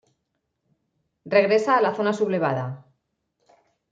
Regresa a la zona sublevada.